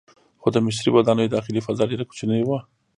خو د مصري ودانیو داخلي فضا ډیره کوچنۍ وه.